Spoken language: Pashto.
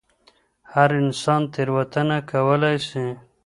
هر انسان تېروتنه کولای سي.